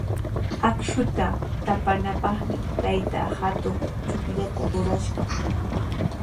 Akshuta taapanapaqmi taytaa hatun chukllata rurashqa.